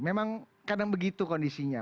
memang kadang begitu kondisinya